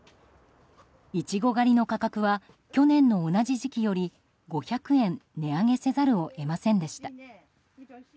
イチゴ狩りの価格は去年の同じ時期より５００円値上げせざるを得ませんでした。